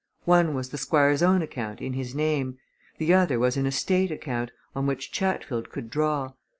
One was the Squire's own account, in his name the other was an estate account, on which Chatfield could draw.